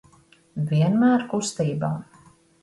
Vienmēr kustībā.